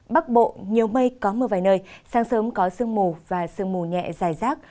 bắc bộ nhiều mây có mưa vài nơi sáng sớm có sương mù và sương mù nhẹ dài rác